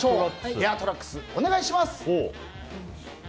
エアートラックスお願いします！